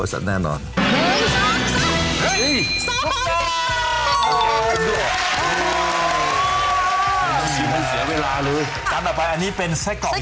อันนี้จานแรกก่อนเลยไหม